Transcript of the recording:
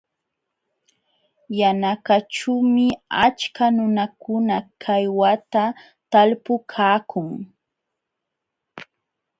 Yunakaćhuumi achka nunakuna kaywata talpupaakun.